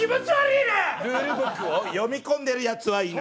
ルールブックを読み込んでるやつはいない。